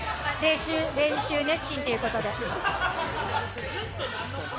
練習熱心ということで。